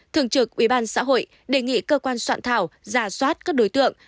thượng trưởng ubxh đề nghị cơ quan soạn thảo giả soát các đối tượng